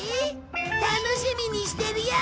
楽しみにしてるよ！